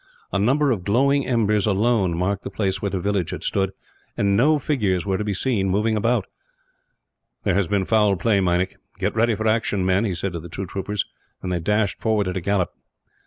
A number of glowing embers, alone, marked the place where the village had stood; and no figures were to be seen moving about. "There has been foul play, Meinik. "Get ready for action, men," he said to the two troopers, and they dashed forward at a gallop.